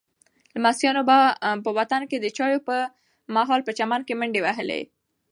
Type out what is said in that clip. لمسیانو به په وطن کې د چایو پر مهال په چمن کې منډې وهلې.